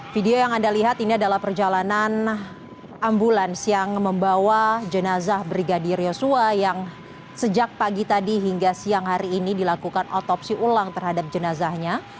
video yang anda lihat ini adalah perjalanan ambulans yang membawa jenazah brigadir yosua yang sejak pagi tadi hingga siang hari ini dilakukan otopsi ulang terhadap jenazahnya